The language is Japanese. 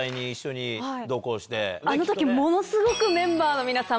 あの時ものすごくメンバーの皆さん。